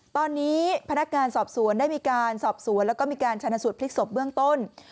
ตอนนี้พนักงานสอบสวนได้มีการสอบสวนแล้วก็มีการชนะสูตรพลิกศพเบื้องต้น